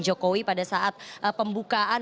jokowi pada saat pembukaan